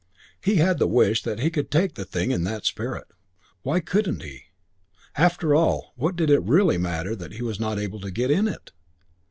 He had the wish that he could take the thing in that spirit. Why couldn't he? After all, what did it really matter that he was not able to get "in it"?